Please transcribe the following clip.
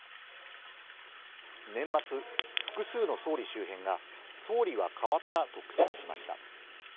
年末、複数の総理周辺が、総理は変わったと口にしました。